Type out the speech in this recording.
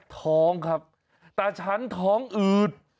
ท้องครับตาฉันท้องอืด